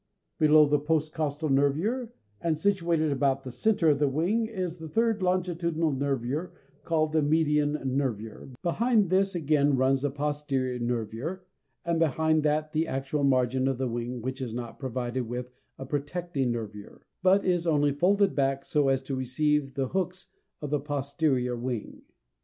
Below the post costal nervure, and situated about the centre of the wing, is the third longitudinal nervure called the median nervure (3); behind this again runs the posterior nervure (4), and behind that the actual margin of the wing which is not provided with a protecting nervure, but is only folded back so as to receive the hooks of the posterior wing.